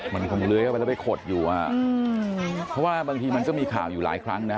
มันคงเลื้อยเข้าไปแล้วไปขดอยู่อ่ะเพราะว่าบางทีมันก็มีข่าวอยู่หลายครั้งนะ